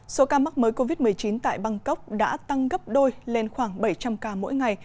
số ca mắc mới covid một mươi chín tại bangkok đã tăng gấp đôi lên khoảng bảy trăm linh ca mỗi ngày